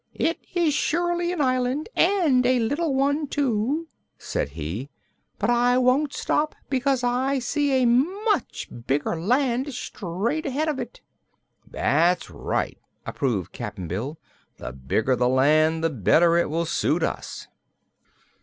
"It is surely an island, and a little one, too," said he. "But I won't stop, because I see a much bigger land straight ahead of it." "That's right," approved Cap'n Bill. "The bigger the land, the better it will suit us."